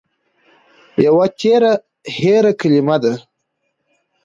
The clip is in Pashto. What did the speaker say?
يوه تېره هېره کلمه ده